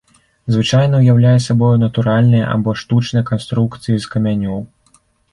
Звычайна ўяўляе сабою натуральныя або штучныя канструкцыі з камянёў.